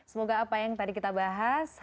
semoga apa yang tadi kita bahas